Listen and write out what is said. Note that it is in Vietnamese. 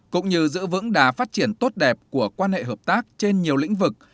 cũng như giữ vững đà phát triển tốt đẹp của quan hệ hợp tác trên nhiều lĩnh vực